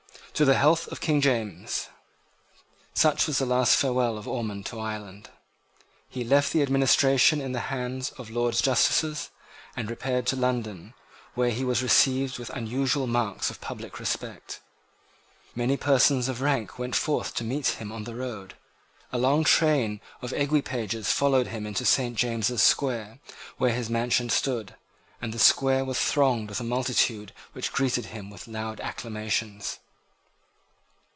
To the health of King James!" Such was the last farewell of Ormond to Ireland. He left the administration in the hands of Lords Justices, and repaired to London, where he was received with unusual marks of public respect. Many persons of rank went forth to meet him on the road. A long train of eguipages followed him into Saint James's Square, where his mansion stood; and the Square was thronged by a multitude which greeted him with loud acclamations.